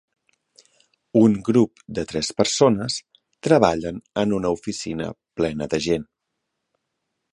Un grup de tres persones treballen en una oficina plena de gent.